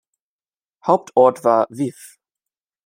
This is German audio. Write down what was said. Hauptort war Vif.